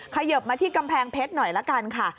เขยิบมาที่กำแพงเพชรหน่อยละกันค่ะ